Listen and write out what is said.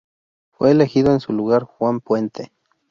Fue elegido en su lugar Juan Puente.